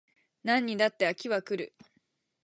何にだって飽きは来る